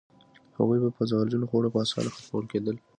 هغوی به په زهرجنو خوړو په اسانه ختمول کېدل.